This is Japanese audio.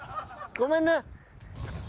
ごめんね。